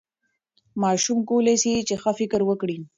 ماشوم کولی سي ښه فکر وکړي.